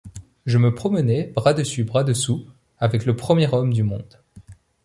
Je me promenais bras dessus, bras dessous, avec le premier homme du monde.